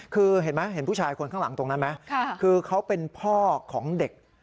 คือเห็นไหมเห็นผู้ชายคนข้างหลังตรงนั้นไหมคือเขาเป็นพ่อของเด็ก